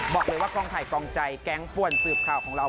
บอกเลยว่ากองถ่ายกองใจแก๊งป่วนสืบข่าวของเรา